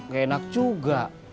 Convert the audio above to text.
gak enak juga